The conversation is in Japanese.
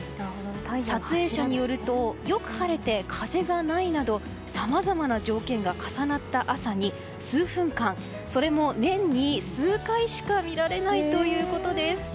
撮影者によるとよく晴れて風がないなどさまざまな条件が重なった朝に数分間、それも年に数回しか貴重！